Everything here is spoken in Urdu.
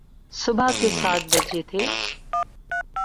صبح کے سات بجتے تھے۔